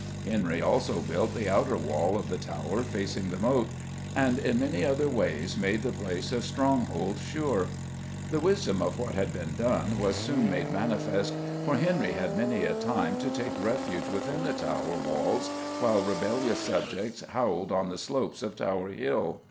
Henry also built the outer wall of the Tower facing the Moat, and in many other ways made the place a stronghold sure. The wisdom of what had been done was soon made manifest, for Henry had many a time to take refuge within Tower walls while rebellious subjects howled on the slopes of Tower Hill.